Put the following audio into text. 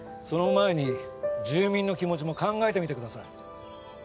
その前に住民の気持ちも考えてみてください。